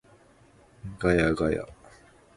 ガヤガヤ